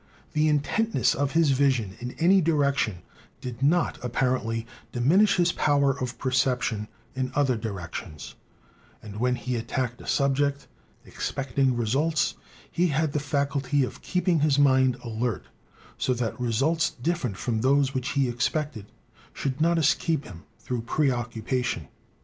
The intent ness of his vision in any direction did not apparently di minish his power of perception in other directions; and when he attacked a subject, expecting results, he had the faculty of keeping his mind alert, so that results different from those which he expected should not escape him through preoccupation.